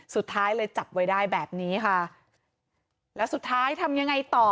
สุดท้ายเลยจับไว้ได้แบบนี้ค่ะแล้วสุดท้ายทำยังไงต่อ